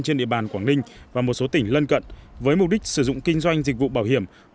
trên địa bàn quảng ninh và một số tỉnh lân cận với mục đích sử dụng kinh doanh dịch vụ bảo hiểm